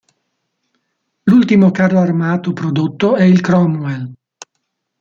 L'ultimo carro armato prodotto è il Cromwell.